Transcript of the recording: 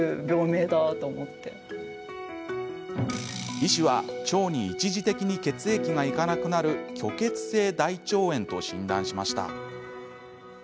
医師は、腸に一時的に血液がいかなくなる虚血性大腸炎と診断しました。